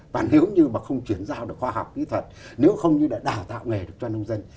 và nếu như mà không chuyển giao được khoa học kỹ thuật nếu không như đã đào tạo nghề được cho nông dân